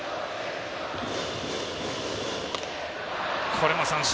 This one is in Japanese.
これも三振。